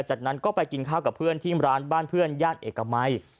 จากนั้นก็ไปกินข้าวกับเพื่อนที่ร้านบ้านเพื่อนย่านเอกมัย